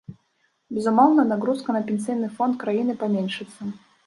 Безумоўна, нагрузка на пенсійны фонд краіны паменшыцца.